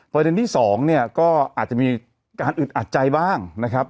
ประเด็นที่สองเนี่ยก็อาจจะมีการอึดอัดใจบ้างนะครับ